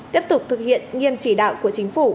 tiếp tục thực hiện nghiêm chỉ đạo của chính phủ